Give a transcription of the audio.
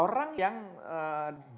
orang yang dana penghasilannya disisi